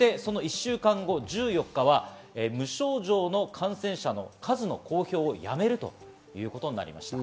１週間後、１４日は無症状の感染者の数の公表をやめるということになりました。